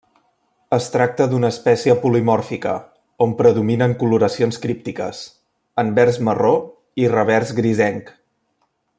Es tracta d'una espècie polimòrfica, on predominen coloracions críptiques: anvers marró i revers grisenc.